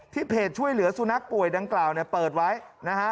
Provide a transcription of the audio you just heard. เพจช่วยเหลือสุนัขป่วยดังกล่าวเนี่ยเปิดไว้นะฮะ